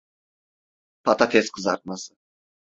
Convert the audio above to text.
Patates kızartması.